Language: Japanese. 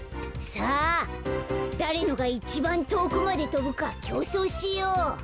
さあだれのがいちばんとおくまでとぶかきょうそうしよう。